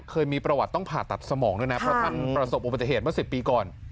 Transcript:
เคยมีประวัติต้องผ่าตัดสมองด้วยนะเพราะท่านประสบอุบัติเหตุเมื่อ๑๐ปีก่อน